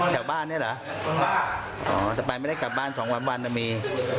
อ๋อแต่ไปไม่ได้กลับบ้าน๒วันแล้วมี